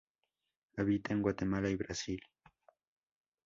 Habita en Guatemala y Brasil.